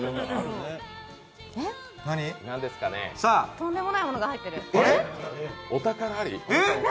とんでもないものが入ってる。